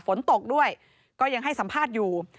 ฝนตกด้วยก็ยังให้สัมภาษณ์อยู่